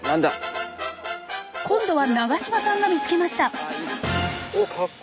今度は長島さんが見つけました。